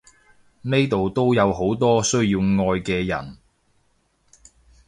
呢度都有好多需要愛嘅人！